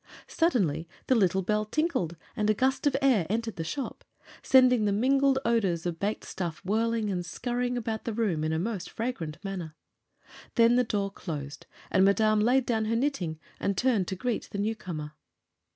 Suddenly the little bell tinkled and a gust of air entered the shop, sending the mingled odors of baked stuff whirling and scurrying about the room in a most fragrant manner. Then the door closed, and Madame laid down her knitting and turned to greet the new comer.